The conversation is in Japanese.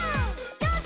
「よし！」